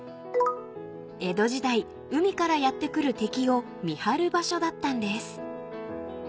［江戸時代海からやって来る敵を見張る場所だったんです］